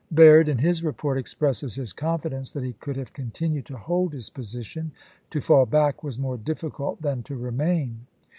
Baird, in his report, expresses his confidence that he could voi^xxx., have continued to hold his position ;" to fall back ^p.'279.' was more difficult than to remain."